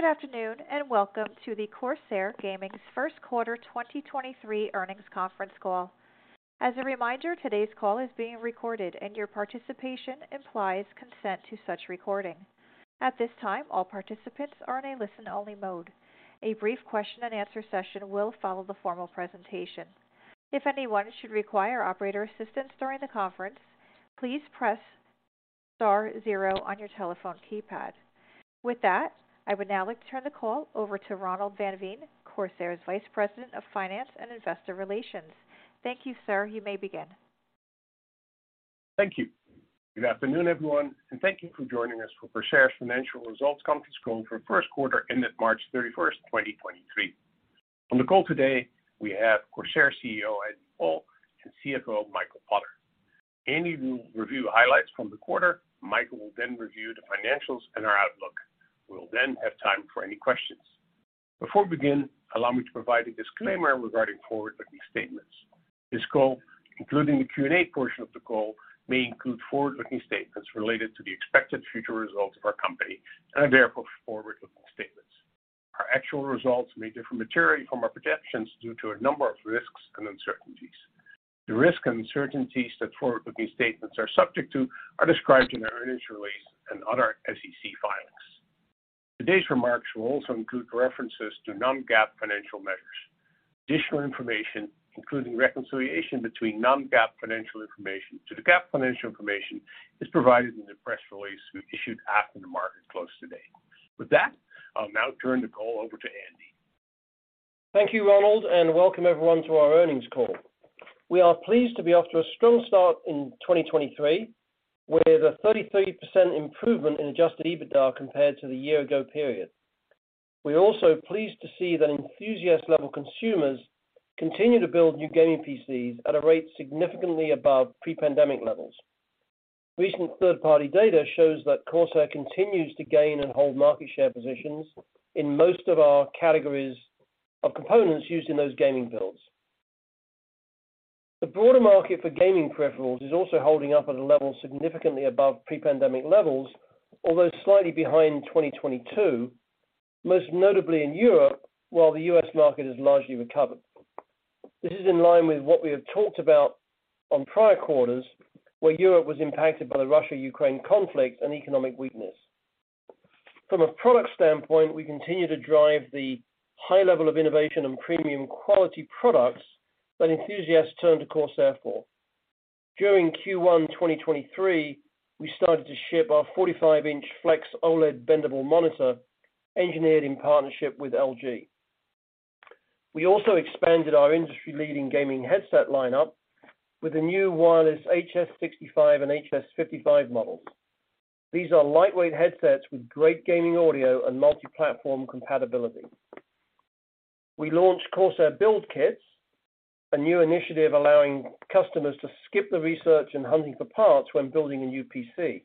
Good afternoon, welcome to the Corsair Gaming's first quarter 2023 earnings conference call. As a reminder, today's call is being recorded, and your participation implies consent to such recording. At this time, all participants are in a listen-only mode. A brief question-and-answer session will follow the formal presentation. If anyone should require operator assistance during the conference, please press Star zero on your telephone keypad. With that, I would now like to turn the call over to Ronald van Veen, Corsair's Vice President of Finance and Investor Relations. Thank you, sir. You may begin. Thank you. Good afternoon, everyone, thank you for joining us for Corsair's financial results conference call for first quarter ended March 31, 2023. On the call today we have Corsair CEO, Andy Paul, and CFO, Michael Potter. Andy will review highlights from the quarter. Michael will then review the financials and our outlook. We'll then have time for any questions. Before we begin, allow me to provide a disclaimer regarding forward-looking statements. This call, including the Q&A portion of the call, may include forward-looking statements related to the expected future results of our company and are therefore forward-looking statements. Our actual results may differ materially from our projections due to a number of risks and uncertainties. The risks and uncertainties that forward-looking statements are subject to are described in our earnings release and other SEC filings. Today's remarks will also include references to non-GAAP financial measures. Additional information, including reconciliation between non-GAAP financial information to the GAAP financial information, is provided in the press release we issued after the market closed today. With that, I'll now turn the call over to Andy. Thank you, Ronald, and welcome everyone to our earnings call. We are pleased to be off to a strong start in 2023, with a 33% improvement in Adjusted EBITDA compared to the year ago period. We're also pleased to see that enthusiast level consumers continue to build new gaming PCs at a rate significantly above pre-pandemic levels. Recent third-party data shows that Corsair continues to gain and hold market share positions in most of our categories of components used in those gaming builds. The broader market for gaming peripherals is also holding up at a level significantly above pre-pandemic levels, although slightly behind 2022, most notably in Europe, while the U.S. market has largely recovered. This is in line with what we have talked about on prior quarters, where Europe was impacted by the Russia-Ukraine conflict and economic weakness. From a product standpoint, we continue to drive the high level of innovation and premium quality products that enthusiasts turn to Corsair for. During Q1 2023, we started to ship our 45-inch Flex OLED bendable monitor engineered in partnership with LG. We also expanded our industry-leading gaming headset lineup with the new wireless HS65 and HS55 models. These are lightweight headsets with great gaming audio and multi-platform compatibility. We launched CORSAIR BUILD KITS, a new initiative allowing customers to skip the research and hunting for parts when building a new PC.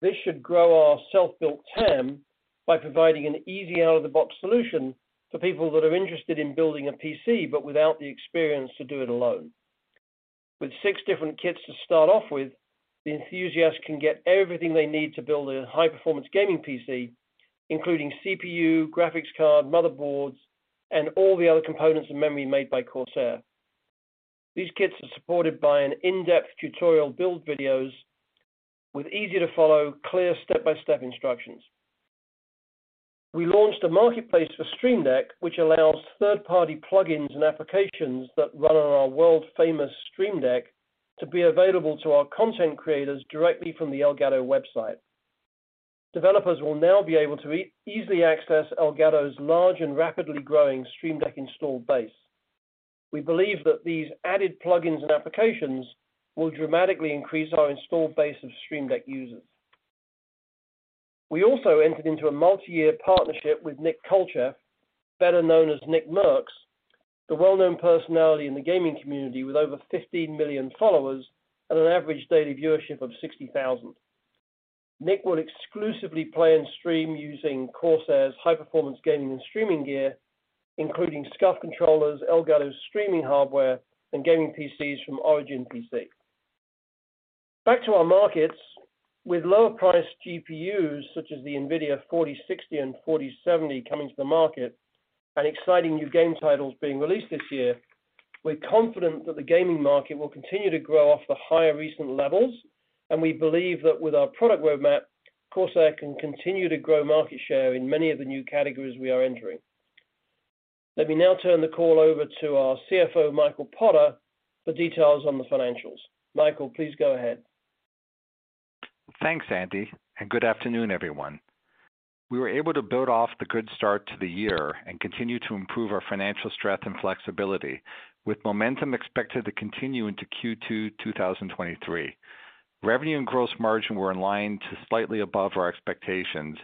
This should grow our self-built TAM by providing an easy out-of-the-box solution for people that are interested in building a PC, but without the experience to do it alone. With six different kits to start off with, the enthusiasts can get everything they need to build a high-performance gaming PC, including CPU, graphics card, motherboards, and all the other components and memory made by Corsair. These kits are supported by an in-depth tutorial build videos with easy to follow clear step-by-step instructions. We launched a marketplace for Stream Deck, which allows third-party plugins and applications that run on our world-famous Stream Deck to be available to our content creators directly from the Elgato website. Developers will now be able to easily access Elgato's large and rapidly growing Stream Deck installed base. We believe that these added plugins and applications will dramatically increase our installed base of Stream Deck users. We also entered into a multi-year partnership with Nick Kolcheff, better known as Nickmercs, the well-known personality in the gaming community with over 15 million followers and an average daily viewership of 60,000. Nick will exclusively play and stream using Corsair's high-performance gaming and streaming gear, including SCUF controllers, Elgato's streaming hardware, and gaming PCs from ORIGIN PC. Back to our markets. With lower priced GPUs, such as the NVIDIA 4060 and 4070 coming to the market and exciting new game titles being released this year, we're confident that the gaming market will continue to grow off the higher recent levels, and we believe that with our product roadmap, Corsair can continue to grow market share in many of the new categories we are entering. Let me now turn the call over to our CFO, Michael Potter, for details on the financials. Michael, please go ahead. Thanks, Andy. Good afternoon, everyone. We were able to build off the good start to the year and continue to improve our financial strength and flexibility with momentum expected to continue into Q2 2023. Revenue and gross margin were in line to slightly above our expectations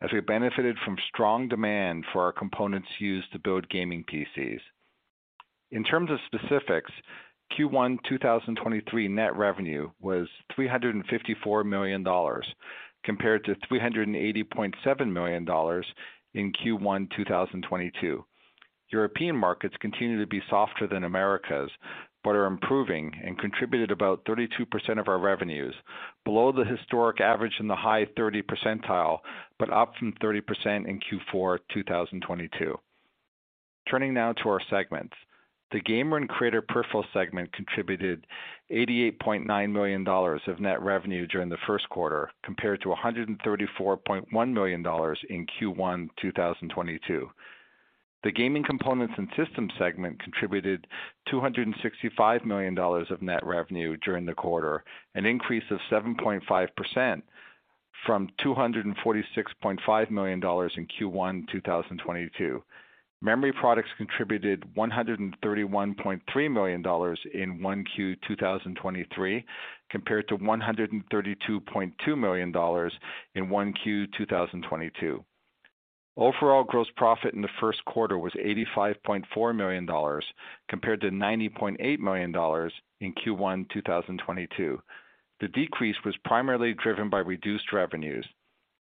as we benefited from strong demand for our components used to build gaming PCs. In terms of specifics, Q1 2023 net revenue was $354 million compared to $380.7 million in Q1 2022. European markets continue to be softer than Americas, are improving and contributed about 32% of our revenues, below the historic average in the high 30 percentile, up from 30% in Q4 2022. Turning now to our segments. The Gamer and Creator Peripherals segment contributed $88.9 million of net revenue during the first quarter, compared to $134.1 million in Q1 2022. The Gaming Components and Systems segment contributed $265 million of net revenue during the quarter, an increase of 7.5% from $246.5 million in Q1 2022. Memory products contributed $131.3 million in Q1 2023, compared to $132.2 million in Q1 2022. Overall gross profit in the first quarter was $85.4 million compared to $90.8 million in Q1 2022. The decrease was primarily driven by reduced revenues.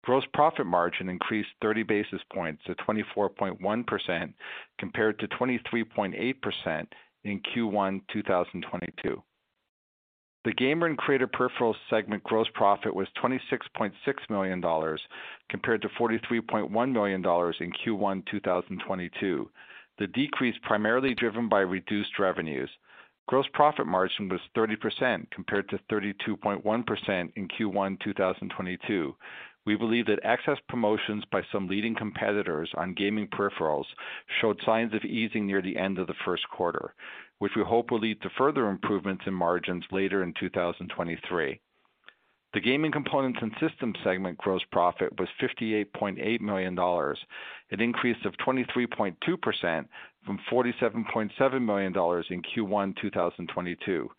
Gross profit margin increased 30 basis points to 24.1% compared to 23.8% in Q1 2022. The Gamer and Creator Peripherals segment gross profit was $26.6 million compared to $43.1 million in Q1 2022. The decrease primarily driven by reduced revenues. Gross profit margin was 30% compared to 32.1% in Q1 2022. We believe that excess promotions by some leading competitors on gaming peripherals showed signs of easing near the end of the first quarter, which we hope will lead to further improvements in margins later in 2023. The Gaming Components and Systems segment gross profit was $58.8 million, an increase of 23.2% from $47.7 million in Q1 2022.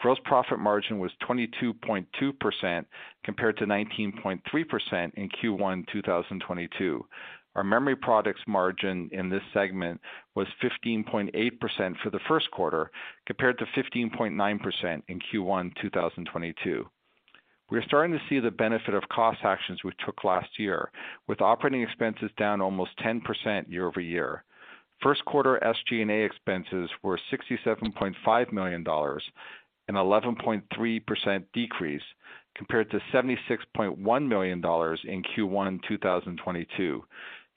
Gross profit margin was 22.2% compared to 19.3% in Q1 2022. Our memory products margin in this segment was 15.8% for the first quarter, compared to 15.9% in Q1 2022. We are starting to see the benefit of cost actions we took last year, with operating expenses down almost 10% year-over-year. First quarter SG&A expenses were $67.5 million, an 11.3% decrease compared to $76.1 million in Q1 2022,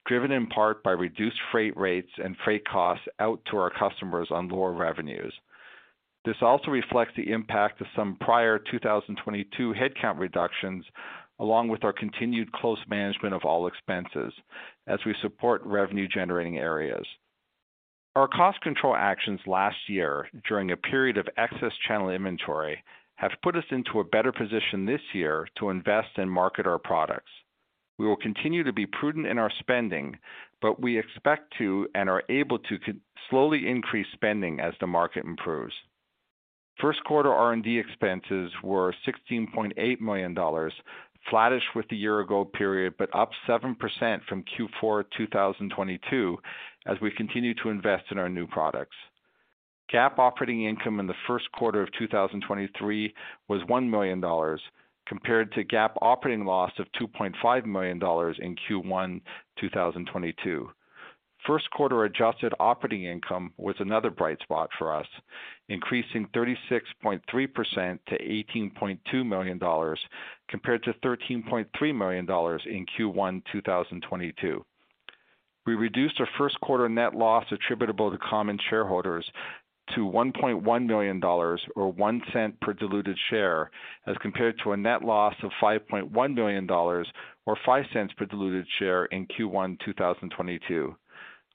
driven in part by reduced freight rates and freight costs out to our customers on lower revenues. This also reflects the impact of some prior 2022 headcount reductions, along with our continued close management of all expenses as we support revenue generating areas. Our cost control actions last year during a period of excess channel inventory have put us into a better position this year to invest and market our products. We will continue to be prudent in our spending, but we expect to and are able to slowly increase spending as the market improves. First quarter R&D expenses were $16.8 million, flattish with the year-ago period, up 7% from Q4 2022 as we continue to invest in our new products. GAAP operating income in the first quarter of 2023 was $1 million compared to GAAP operating loss of $2.5 million in Q1 2022. First quarter adjusted operating income was another bright spot for us, increasing 36.3% to $18.2 million compared to $13.3 million in Q1 2022. We reduced our first quarter net loss attributable to common shareholders to $1.1 million or $0.01 per diluted share, as compared to a net loss of $5.1 million or $0.05 per diluted share in Q1 2022.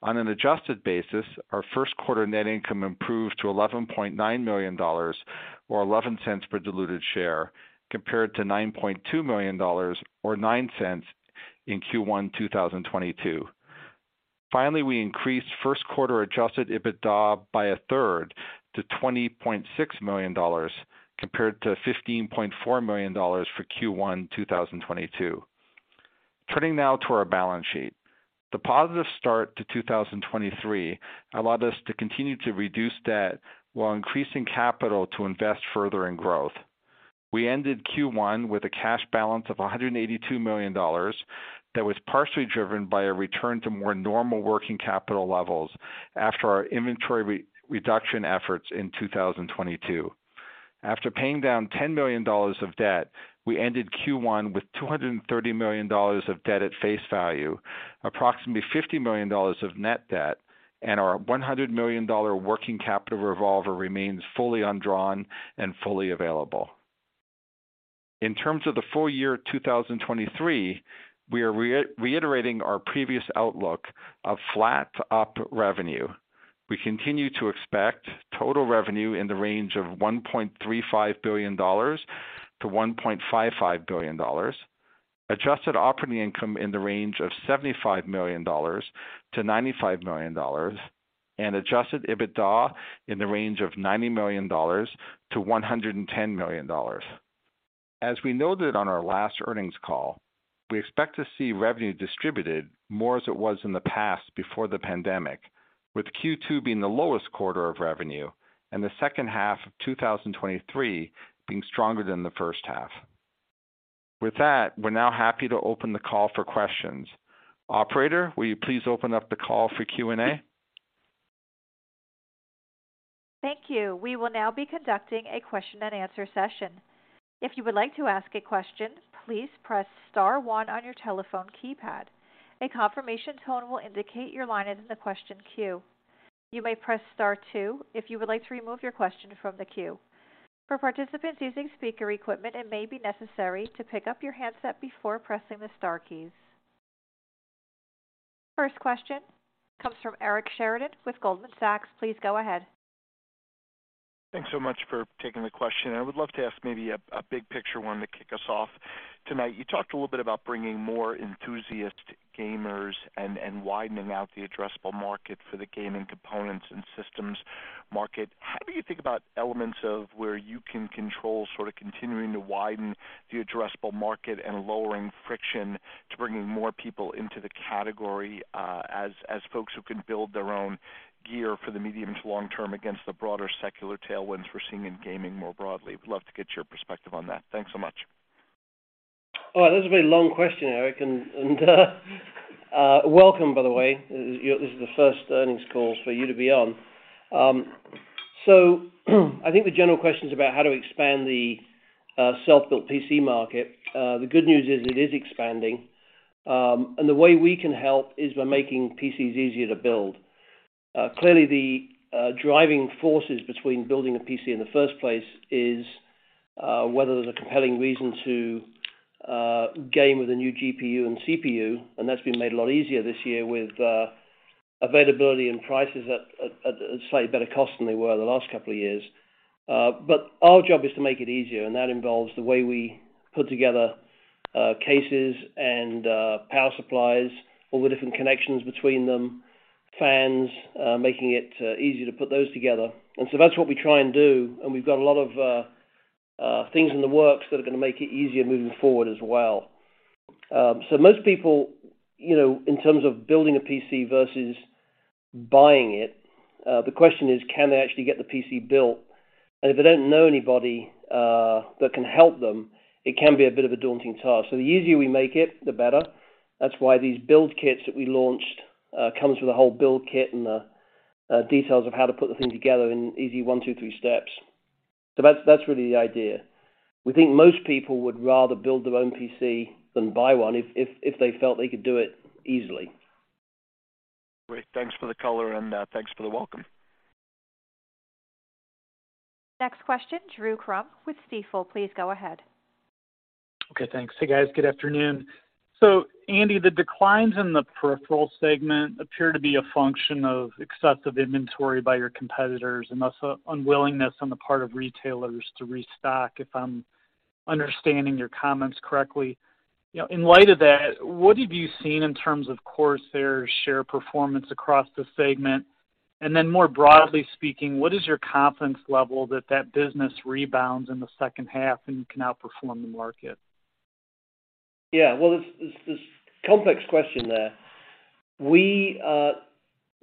On an adjusted basis, our first quarter net income improved to $11.9 million or $0.11 per diluted share, compared to $9.2 million or $0.09 in Q1 2022. We increased first quarter adjusted EBITDA by a third to $20.6 million compared to $15.4 million for Q1 2022. Turning now to our balance sheet. The positive start to 2023 allowed us to continue to reduce debt while increasing capital to invest further in growth. We ended Q1 with a cash balance of $182 million that was partially driven by a return to more normal working capital levels after our inventory re-reduction efforts in 2022. After paying down $10 million of debt, we ended Q1 with $230 million of debt at face value, approximately $50 million of net debt, and our $100 million working capital revolver remains fully undrawn and fully available. In terms of the full year 2023, we are reiterating our previous outlook of flat to up revenue. We continue to expect total revenue in the range of $1.35 billion-$1.55 billion, adjusted operating income in the range of $75 million-$95 million, and adjusted EBITDA in the range of $90 million-$110 million. As we noted on our last earnings call, we expect to see revenue distributed more as it was in the past before the pandemic, with Q2 being the lowest quarter of revenue and the second half of 2023 being stronger than the first half. We're now happy to open the call for questions. Operator, will you please open up the call for Q&A? Thank you. We will now be conducting a question-and-answer session. If you would like to ask a question, please press star one on your telephone keypad. A confirmation tone will indicate you're lined in the question queue. You may press star two if you would like to remove your question from the queue. For participants using speaker equipment, it may be necessary to pick up your handset before pressing the Star keys. First question comes from Eric Sheridan with Goldman Sachs. Please go ahead. Thanks so much for taking the question. I would love to ask maybe a big picture one to kick us off tonight. You talked a little bit about bringing more enthusiast gamers and widening out the addressable market for the Gaming Components and Systems market. How do you think about elements of where you can control sort of continuing to widen the addressable market and lowering friction to bringing more people into the category, as folks who can build their own gear for the medium to long term against the broader secular tailwinds we're seeing in gaming more broadly? Would love to get your perspective on that. Thanks so much. That's a very long question, Eric. Welcome, by the way. This is the first earnings call for you to be on. I think the general question's about how to expand the self-built PC market. The good news is it is expanding. The way we can help is by making PCs easier to build. Clearly the driving forces between building a PC in the first place is whether there's a compelling reason to game with a new GPU and CPU, and that's been made a lot easier this year with availability and prices at a slightly better cost than they were the last couple of years. Our job is to make it easier, and that involves the way we put together, cases and, power supplies, all the different connections between them, fans, making it easier to put those together. That's what we try and do, and we've got a lot of things in the works that are gonna make it easier moving forward as well. Most people, you know, in terms of building a PC versus buying it, the question is, can they actually get the PC built? If they don't know anybody, that can help them, it can be a bit of a daunting task. The easier we make it, the better. That's why these Build Kits that we launched, comes with a whole build kit and details of how to put the thing together in easy one, two, three steps. That's really the idea. We think most people would rather build their own PC than buy one if they felt they could do it easily. Great. Thanks for the color, and, thanks for the welcome. Next question, Drew Crum with Stifel. Please go ahead. Okay, thanks. Hey, guys. Good afternoon. Andy, the declines in the peripheral segment appear to be a function of excessive inventory by your competitors and also unwillingness on the part of retailers to restock, if I'm understanding your comments correctly. You know, in light of that, what have you seen in terms of Corsair's share performance across the segment? More broadly speaking, what is your confidence level that that business rebounds in the second half and can outperform the market? Yeah. Well, there's complex question there. We,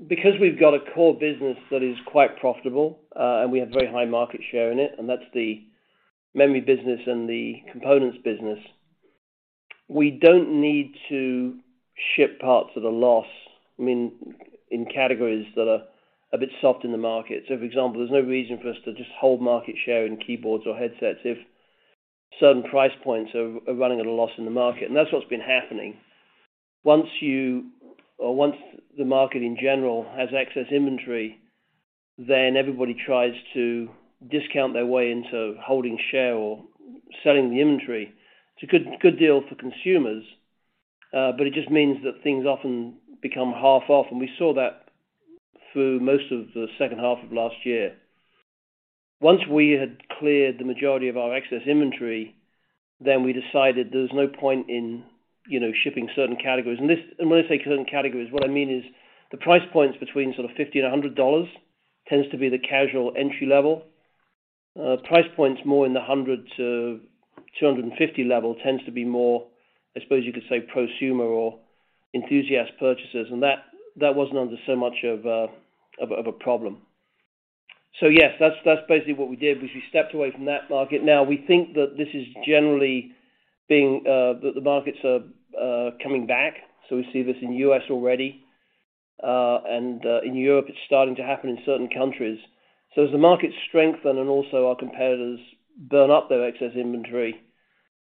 because we've got a core business that is quite profitable, and we have very high market share in it, and that's the memory business and the components business, we don't need to ship parts at a loss, I mean, in categories that are a bit soft in the market. For example, there's no reason for us to just hold market share in keyboards or headsets if certain price points are running at a loss in the market, and that's what's been happening. Once you or once the market in general has excess inventory, everybody tries to discount their way into holding share or selling the inventory. It's a good deal for consumers, it just means that things often become half off, and we saw that through most of the second half of last year. Once we had cleared the majority of our excess inventory, we decided there's no point in, you know, shipping certain categories. When I say certain categories, what I mean is the price points between sort of $50 and $100 tends to be the casual entry level. Price points more in the $100 to $250 level tends to be more, I suppose you could say prosumer or enthusiast purchasers, and that wasn't under so much of a problem. Yes, that's basically what we did, was we stepped away from that market. We think that this is generally being that the markets are coming back. We see this in U.S. already, and in Europe it's starting to happen in certain countries. As the markets strengthen and also our competitors burn up their excess inventory,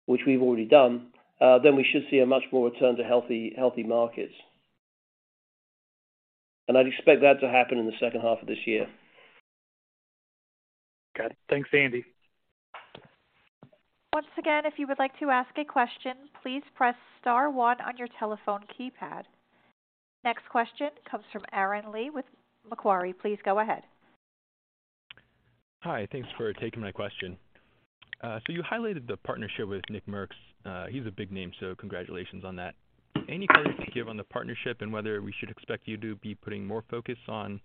which we've already done, then we should see a much more return to healthy markets. I'd expect that to happen in the second half of this year. Okay. Thanks, Andy. Once again, if you would like to ask a question, please press star one on your telephone keypad. Next question comes from Aaron Lee with Macquarie. Please go ahead. Hi. Thanks for taking my question. You highlighted the partnership with Nickmercs. He's a big name, congratulations on that. Any color you can give on the partnership and whether we should expect you to be putting more focus on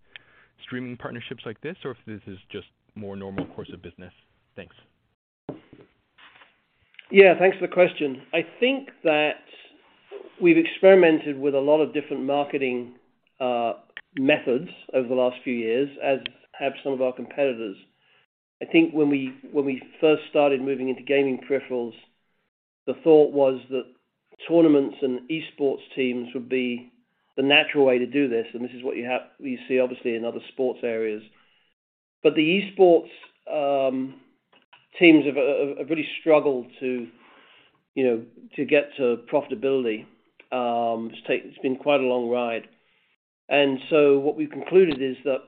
streaming partnerships like this, or if this is just more normal course of business? Thanks. Yeah. Thanks for the question. I think We've experimented with a lot of different marketing methods over the last few years, as have some of our competitors. I think when we first started moving into gaming peripherals, the thought was that tournaments and esports teams would be the natural way to do this is what you see obviously in other sports areas. The esports teams have really struggled to, you know, to get to profitability. It's been quite a long ride. What we've concluded is that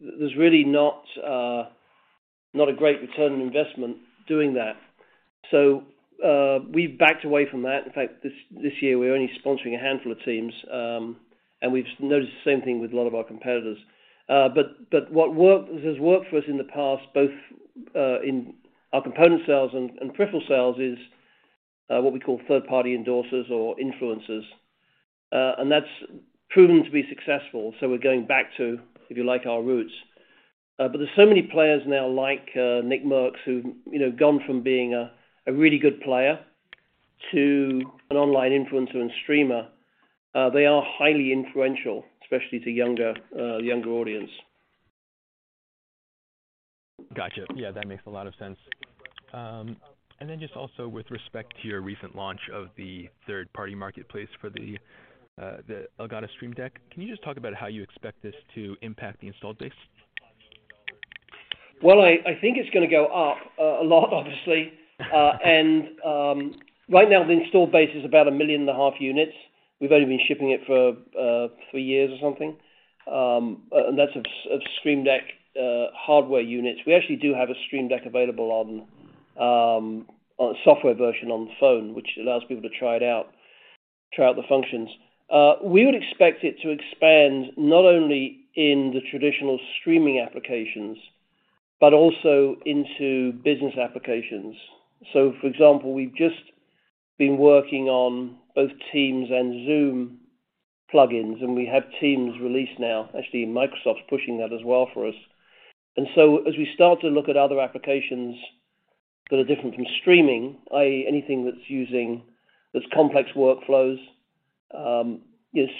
there's really not a great return on investment doing that. We've backed away from that. In fact, this year we're only sponsoring a handful of teams, we've noticed the same thing with a lot of our competitors. What has worked for us in the past, both in our component sales and peripheral sales, is what we call third-party endorsers or influencers. That's proven to be successful, so we're going back to, if you like, our roots. There's so many players now like Nickmercs, who've, you know, gone from being a really good player to an online influencer and streamer. They are highly influential, especially to younger audience. Gotcha. Yeah, that makes a lot of sense. Just also with respect to your recent launch of the third-party marketplace for the Elgato Stream Deck, can you just talk about how you expect this to impact the installed base? I think it's gonna go up a lot, obviously. Right now the installed base is about 1,500,000 units. We've only been shipping it for three years or something. That's of Stream Deck hardware units. We actually do have a Stream Deck available on a software version on the phone, which allows people to try it out, try out the functions. We would expect it to expand not only in the traditional streaming applications, but also into business applications. For example, we've just been working on both Teams and Zoom plugins, and we have Teams released now. Actually, Microsoft's pushing that as well for us. As we start to look at other applications that are different from streaming, i.e., anything that's complex workflows. You know,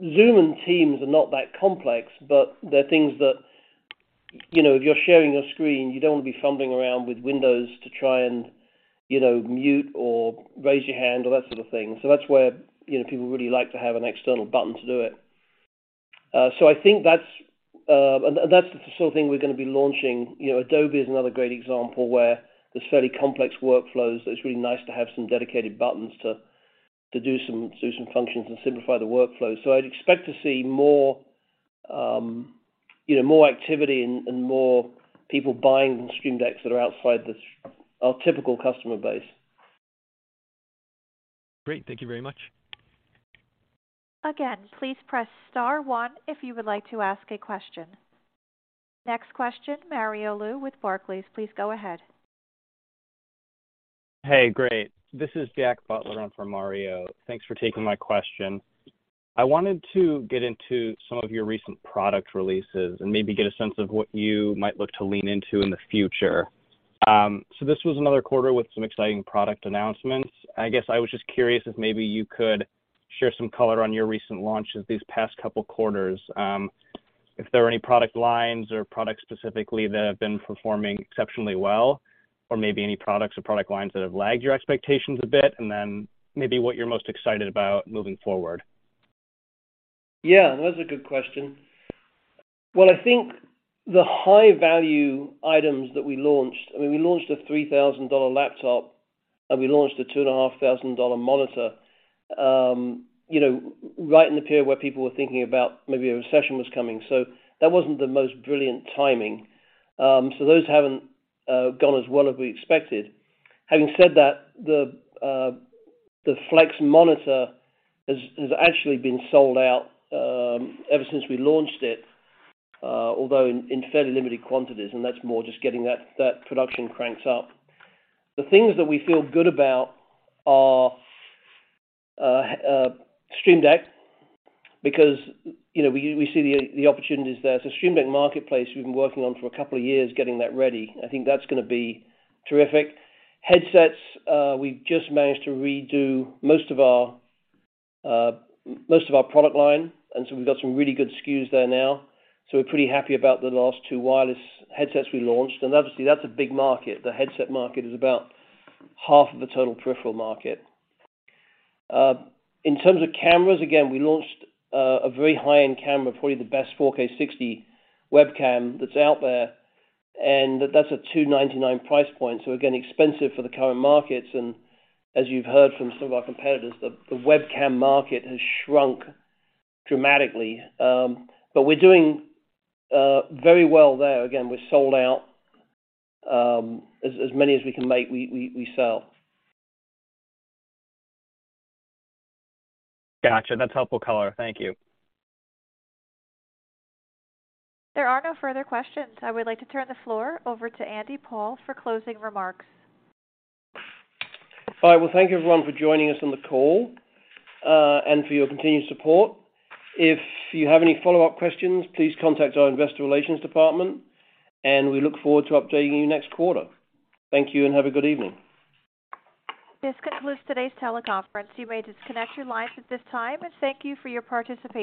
Zoom and Teams are not that complex, but they're things that, you know, if you're sharing a screen, you don't wanna be fumbling around with Windows to try and, you know, mute or raise your hand or that sort of thing. That's where, you know, people really like to have an external button to do it. I think that's, and that's the sort of thing we're gonna be launching. You know, Adobe is another great example where there's fairly complex workflows, so it's really nice to have some dedicated buttons to do some functions and simplify the workflows. I'd expect to see more, you know, more activity and more people buying Stream Decks that are outside our typical customer base. Great. Thank you very much. Again, please press Star one if you would like to ask a question. Next question, Mario Lu with Barclays. Please go ahead. Hey, great. This is Jack Butler on for Mario. Thanks for taking my question. I wanted to get into some of your recent product releases and maybe get a sense of what you might look to lean into in the future. This was another quarter with some exciting product announcements. I guess I was just curious if maybe you could share some color on your recent launches these past couple quarters. If there are any product lines or products specifically that have been performing exceptionally well, or maybe any products or product lines that have lagged your expectations a bit, and then maybe what you're most excited about moving forward. Yeah, that's a good question. I think the high-value items that we launched, I mean, we launched a $3,000 laptop, and we launched a $2,500 monitor, you know, right in the period where people were thinking about maybe a recession was coming. That wasn't the most brilliant timing. Those haven't gone as well as we expected. Having said that, the Flex monitor has actually been sold out ever since we launched it, although in fairly limited quantities, and that's more just getting that production cranked up. The things that we feel good about are Stream Deck because, you know, we see the opportunities there. Stream Deck marketplace, we've been working on for a couple of years, getting that ready. I think that's gonna be terrific. Headsets, we just managed to redo most of our most of our product line, so we've got some really good SKUs there now. We're pretty happy about the last two wireless headsets we launched. Obviously, that's a big market. The headset market is about half of the total peripheral market. In terms of cameras, again, we launched a very high-end camera, probably the best 4K60 webcam that's out there, and that's a $299 price point, so again, expensive for the current markets. As you've heard from some of our competitors, the webcam market has shrunk dramatically. We're doing very well there. Again, we're sold out. As many as we can make, we sell. Gotcha. That's helpful color. Thank you. There are no further questions. I would like to turn the floor over to Andy Paul for closing remarks. All right. Well, thank you everyone for joining us on the call, and for your continued support. If you have any follow-up questions, please contact our investor relations department, and we look forward to updating you next quarter. Thank you and have a good evening. This concludes today's teleconference. You may disconnect your lines at this time, and thank you for your participation.